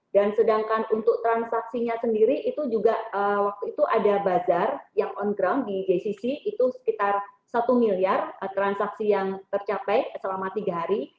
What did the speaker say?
dan sedangkan untuk transaksinya sendiri itu juga waktu itu ada bazar yang on ground di gcc itu sekitar satu miliar transaksi yang tercapai selama tiga hari